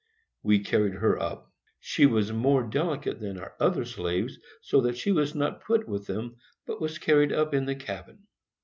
We carried her up. She was more delicate than our other slaves, so that she was not put with them, but was carried up in the cabin.